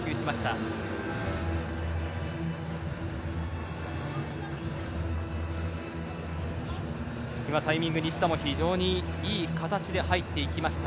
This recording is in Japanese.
今、タイミング西田も非常にいい形で入っていきました。